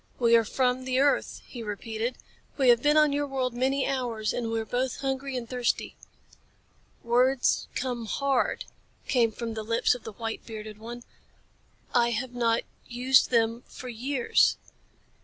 "We are from the earth," he repeated. "We have been on your world many hours, and we are both hungry and thirsty." "Words come hard," came from the lips of the white bearded one. "I have not used them for years."